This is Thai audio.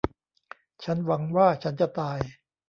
ฉันหวังว่าฉันจะตาย